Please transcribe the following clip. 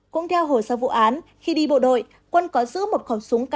cũng theo hồ sơ vụ án khi đi bộ đội quân có giữ một khẩu súng k năm mươi bốn